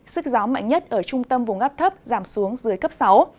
sức gió mạnh nhất ở trung tâm vùng áp thấp giảm xuống dưới cấp sáu